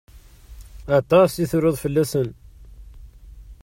Aṭas i truḍ fell-asen.